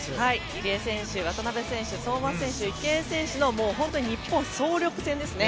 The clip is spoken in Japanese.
入江選手、渡辺選手相馬選手、池江選手の本当に日本の総力戦ですね。